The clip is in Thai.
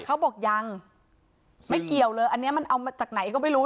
เขาบอกยังไม่เกี่ยวเลยอันนี้มันเอามาจากไหนก็ไม่รู้